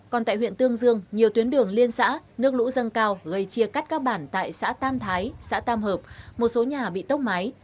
còn tại huyện tương dương nhiều tuyến đường liên xã nước lũ dâng cao gây chia cắt các bản tại xã tam thái xã tam hợp một số nhà bị tốc mái